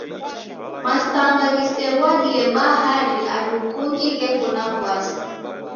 Masanga ghisew'adie bahari andu kungi gheko na w'asi.